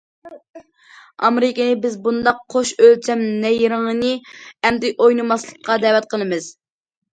ئامېرىكىنى بىز بۇنداق« قوش ئۆلچەم» نەيرىڭىنى ئەمدى ئوينىماسلىققا دەۋەت قىلىمىز!